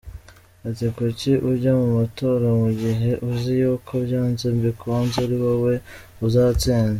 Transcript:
Ati kuki ujya mu matora mu gihe uzi yuko byanze bikunze ari wowe uzatsinda.